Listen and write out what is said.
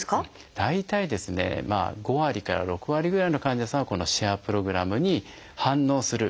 大体ですね５割から６割ぐらいの患者さんはこのシェアプログラムに反応する。